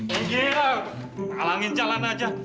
gini alangin jalan aja